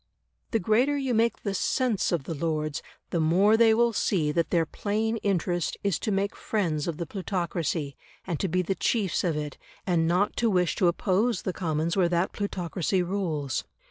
The greater you make the SENSE of the Lords, the more they will see that their plain interest is to make friends of the plutocracy, and to be the chiefs of it, and not to wish to oppose the Commons where that plutocracy rules.